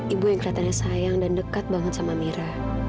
ibu yang kelihatannya sayang dan dekat banget sama mira